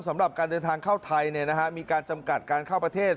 สำหรับการเดินทางเข้าไทยมีการจำกัดการเข้าประเทศ